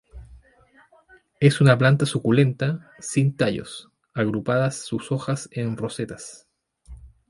Es una planta suculenta sin tallos, agrupadas sus hojas en rosetas.